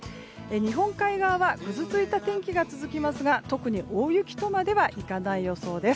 日本海側はぐずついた天気が続きますが特に大雪とまではいかない予想です。